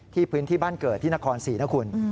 พื้นที่บ้านเกิดที่นครศรีนะคุณ